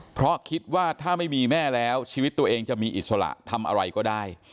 เพราะคิดว่าถ้าไม่มีแม่แล้วชีวิตตัวเองจะมีอิสระทำอะไรก็ได้